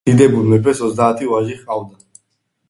დიდებულ მეფეს ოცდაათი ვაჟი ჰყავდა